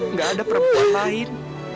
nggak ada perempuan lain